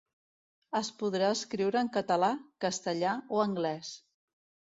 Es podrà escriure en català, castellà o anglès.